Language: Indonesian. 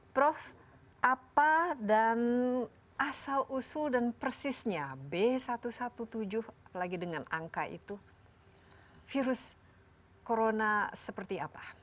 prof apa dan asal usul dan persisnya b satu satu tujuh lagi dengan angka itu virus corona seperti apa